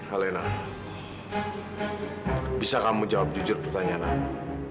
alena bisa kamu jawab jujur pertanyaan aku